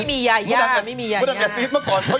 ไม่มีเงยา